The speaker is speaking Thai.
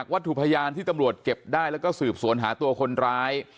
วัตถุพยานที่ตำรวจเก็บได้แล้วก็สืบสวนหาตัวคนร้าย